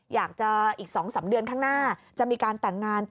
อยากจะอีก๒๓เดือนข้างหน้าจะมีการแต่งงาน